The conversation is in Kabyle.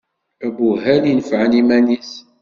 Abuhal inefɛen iman-is.